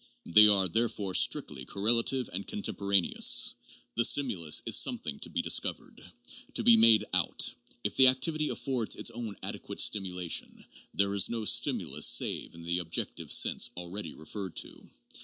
They are therefore strictly correlative and contempora neous. The stimulus is something to be discovered ; to be made out ; if the activity affords its own adequate stimulation, there is no stimulus save in the objective sense already referred to.